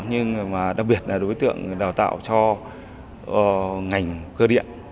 nhưng mà đặc biệt là đối tượng đào tạo cho ngành cơ điện